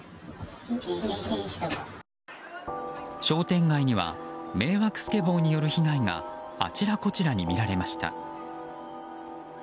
商店街には迷惑スケボーによる被害があちらこちらに見られました。